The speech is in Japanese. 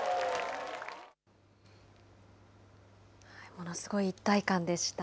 ものすごい一体感でした。